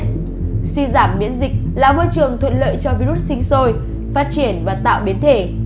suy giảm biến dịch là môi trường thuận lợi cho virus sinh sôi phát triển và tạo biến thể